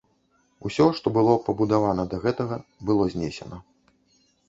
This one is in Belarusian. Усё, што было пабудавана да гэтага, было знесена.